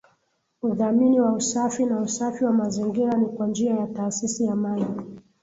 Udhamini wa usafi na usafi wa mazingira ni kwa njia ya taasisi ya maji